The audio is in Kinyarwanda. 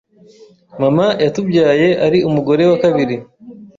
Mama yatubyaye ari umugore wa kabiri